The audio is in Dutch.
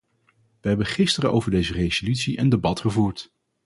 We hebben gisteren over deze resolutie een debat gevoerd.